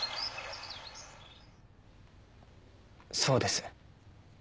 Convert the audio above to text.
そうです。